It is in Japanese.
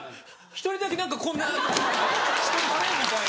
１人だけ何かこんな「あれ？」みたいな。